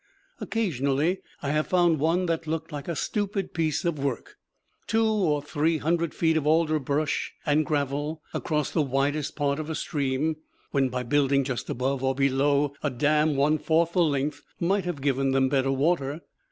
Occasionally I have found one that looked like a stupid piece of work two or three hundred feet of alder brush and gravel across the widest part of a stream, when, by building just above or below, a dam one fourth the length might have given them better water.